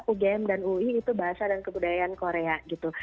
ugm dan ui itu bahasa dan kebudayaan korea gitu